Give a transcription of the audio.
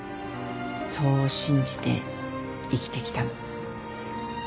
そう信じて生きてきたの。